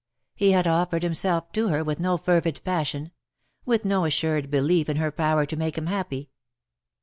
He had offered himself to her with no fervid passion — with no assured belief in her power to make him happy.